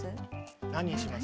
何にします？